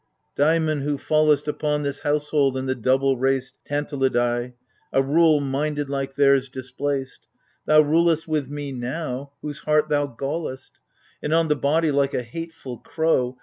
Daimon, who fallest Upon this household and the double raced Tantalidai, a rule, minded like theirs displaced, Thou rulest me with, now. Whose heart thou gallest ! And on the body, like a hateful crow.